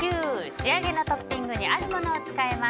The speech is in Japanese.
仕上げのトッピングにあるものを使います。